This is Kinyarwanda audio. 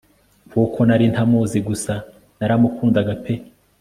kuko nari ntamuzi gusa naramukundaga pe